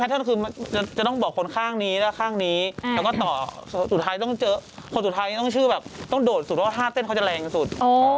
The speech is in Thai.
ต้องโดดอย่างสุดรอท่าเต้นเขาจะแรงกันสุด